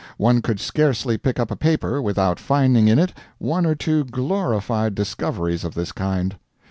One could scarcely pick up a paper without finding in it one or two glorified discoveries of this kind.